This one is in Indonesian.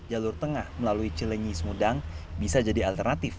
jalur tengah melalui cilenyi semudang bisa jadi alternatif